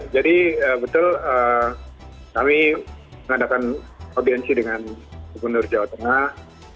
jadi betul kami mengadakan audiensi dengan gubernur jawa tengah